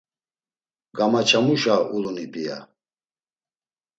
Gamaçamuşa uluni p̌ia?